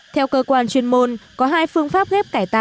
theo cơ quan chuyên môn có hai phương pháp ghép cải tạo